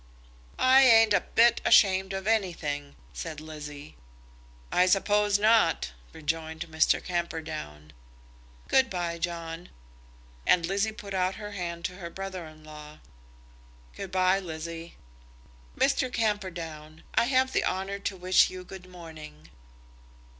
"I ain't a bit ashamed of anything," said Lizzie. "I suppose not," rejoined Mr. Camperdown. "Good bye, John." And Lizzie put out her hand to her brother in law. "Good bye, Lizzie." "Mr. Camperdown, I have the honour to wish you good morning."